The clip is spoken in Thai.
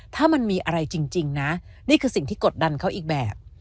ถ้ามันมีอะไรจริงนะนี่คือสิ่งที่กดดันเขาอีกแบบ